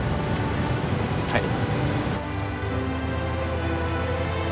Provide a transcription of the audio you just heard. はい！